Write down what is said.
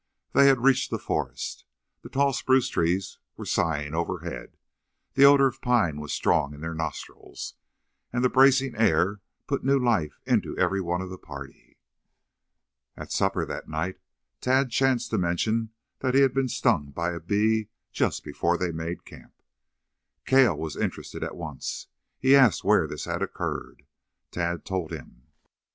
They had reached the forest. The tall spruce trees were sighing overhead, the odor of pine was strong in their nostrils, and the bracing air put new life into every one of the party. At supper that night Tad chanced to mention that he had been stung by a bee just before they made camp. Cale was interested at once. He asked where this had occurred. Tad told him.